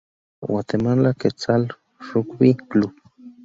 Guatemala Quetzal Rugby Club